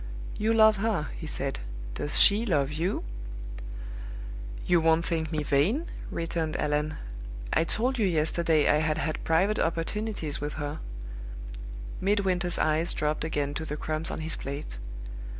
"You love her," he said. "Does she love you?" "You won't think me vain?" returned Allan. "I told you yesterday I had had private opportunities with her " Midwinter's eyes dropped again to the crumbs on his plate.